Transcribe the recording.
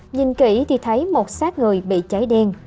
nhìn kỹ thì thấy một sát người bị cháy đen